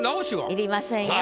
いりませんよ。